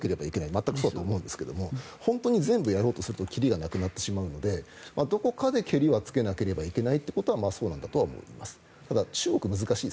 全くそうだと思うんですが本当に全部やろうとするときりがなくなってしまうのでどこかでけりはつけなければいけないということはそうなんだとは思います。